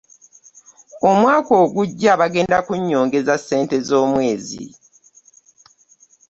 Omwaka ogugya bagenda kunyongeza ssente ez'omwezi.